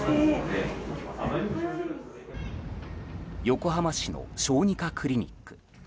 横浜市の小児科クリニック。